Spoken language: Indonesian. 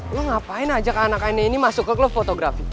lo ngapain ajak anak anak ini masuk ke klub fotografi